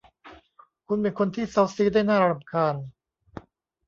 คุณเป็นคนที่เซ้าซี้ได้น่ารำคาญ